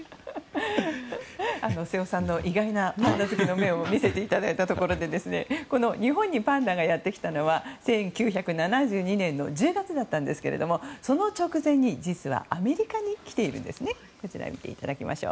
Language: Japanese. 瀬尾さんの意外なパンダ好きの面を見せていただいたところで日本にパンダがやってきたのは１９７２年の１０月だったんですがその直前に実はアメリカに来ているんです。